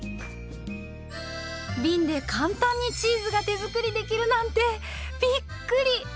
びんで簡単にチーズが手作りできるなんてびっくり！